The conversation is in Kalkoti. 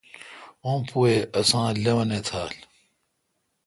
اوں پوُ ے اساں لوَنے تھال۔